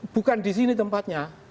bukan di sini tempatnya